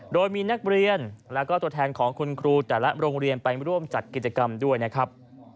โดยมีนักเรียนแล้วก็ตัวแทนของคุณครูแต่ละโรงเรียนไปร่วมจัดกิจกรรมด้วยนะครับ